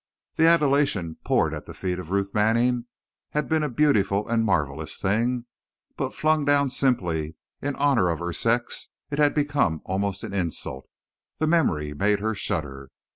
That adulation poured at the feet of Ruth Manning had been a beautiful and marvelous thing; but flung down simply in honor of her sex it became almost an insult. The memory made her shudder.